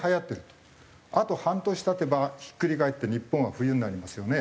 あと半年経てばひっくり返って日本は冬になりますよね。